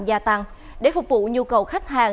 gia tăng để phục vụ nhu cầu khách hàng